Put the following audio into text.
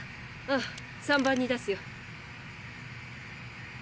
ああ３番に出すよ。